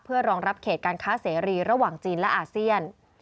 เพื่อรองรับเขตการค้าเสรีระหว่างจีนและอาเซียน